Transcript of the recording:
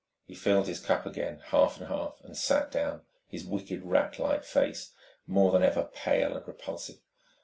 He filled his cup again, half and half, and sat down, his wicked, rat like face more than ever pale and repulsive.